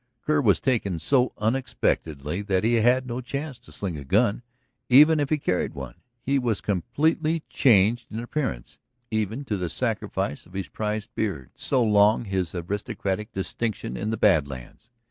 Kerr was taken so unexpectedly that he had no chance to sling a gun, even if he carried one. He was completely changed in appearance, even to the sacrifice of his prized beard, so long his aristocratic distinction in the Bad Lands.